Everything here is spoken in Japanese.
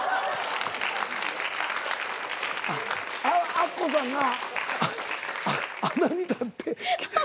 アッコさんが穴に立ってキス。